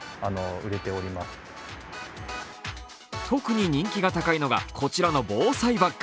特に人気が高いのがこちらの防災バッグ。